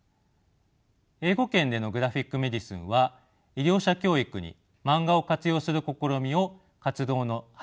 英語圏でのグラフィック・メディスンは医療者教育にマンガを活用する試みを活動の柱にしています。